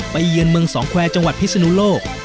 เยือนเมืองสองแควร์จังหวัดพิศนุโลก